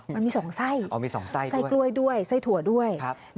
มันมีสองไส้ไส้กล้วยด้วยไส้ถั่วด้วย